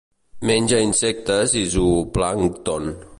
Menja insectes i zooplàncton.